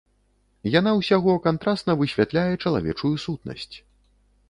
Яна ўсяго кантрасна высвятляе чалавечую сутнасць.